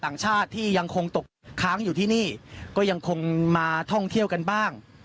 ต่างชาติที่ยังคงตกค้างอยู่ที่นี่ก็ยังคงมาท่องเที่ยวกันบ้าง